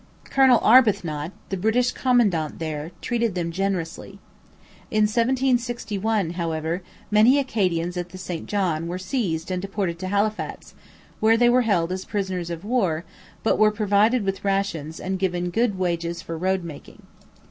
Colonel Arbuthnot, the British commandant there, treated them generously. In 1761, however, many Acadians at the St John were seized and deported to Halifax, where they were held as prisoners of war, but were provided with rations and given 'good wages for road making.'